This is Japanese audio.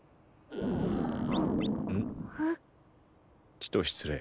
ちと失礼。